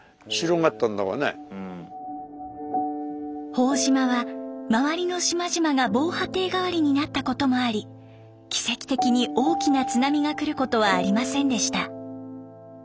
朴島は周りの島々が防波堤代わりになったこともあり奇跡的に大きな津波がくることはありませんでした。